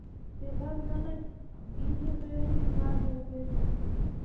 چې غل نه غېړيږي مال دې غېړيږي